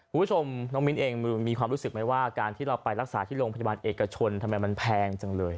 คุณผู้ชมน้องมิ้นเองมีความรู้สึกไหมว่าการที่เราไปรักษาที่โรงพยาบาลเอกชนทำไมมันแพงจังเลย